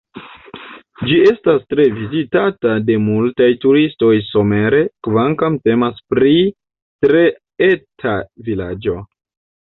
Ĝi estas tre vizitata de multaj turistoj somere, kvankam temas pri tre eta vilaĝo.